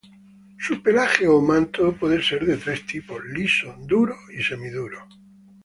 Su pelaje o manto puede ser de tres tipos: liso, duro y semi-duro.